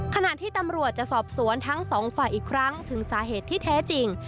ขณะที่ตำรวจจะสอบสวนทั้งสองฝ่ายอีกครั้งถึงสาเหตุที่แท้จริง